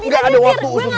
gak ada waktu untuk goreng